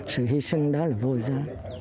sự hy sinh đó là vô giá